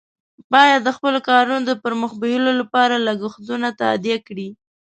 باید د خپلو کارونو د پر مخ بیولو لپاره لګښتونه تادیه کړي.